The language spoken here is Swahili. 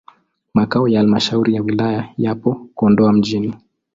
Makao ya halmashauri ya wilaya yapo Kondoa mjini.